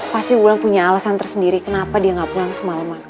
pasti wulan punya alasan tersendiri kenapa dia nggak pulang semalam